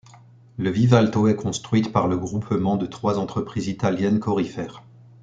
Le Vivalto est construite par le groupement de trois entreprises italiennes Corifer.